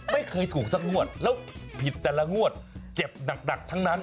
ไม่เคยถูกสักงวดแล้วผิดแต่ละงวดเจ็บหนักทั้งนั้น